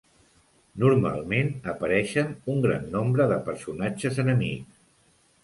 Normalment apareixen un gran nombre de personatges enemics.